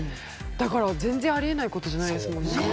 だから全然あり得ない事じゃないですもんね。